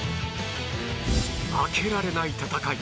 負けられない戦い